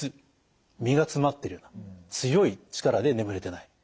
実が詰まってるような強い力で眠れてない。